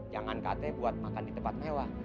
jangan kate buat makan di tempat mewah